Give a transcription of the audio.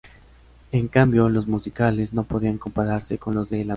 En cambio, los musicales no podían compararse con los de la Metro.